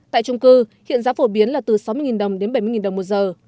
tại trung cư hiện giá phổ biến là từ sáu mươi đồng đến bảy mươi đồng một giờ